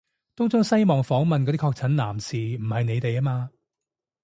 東張西望訪問嗰啲確診男士唔係你哋吖嘛？